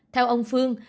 theo ông phương